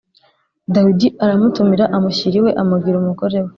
Dawidi aramutumira amushyira iwe, amugira umugore we.